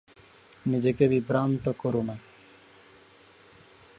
নিজেকে বিভ্রান্ত কোরো না।